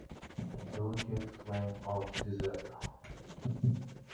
'Delicate Flame of Desire'.